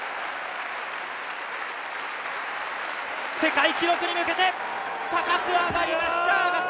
世界記録に向けて、高く上がりました。